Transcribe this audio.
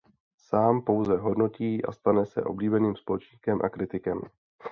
Sám pouze hodnotí a stane se oblíbeným společníkem a kritikem.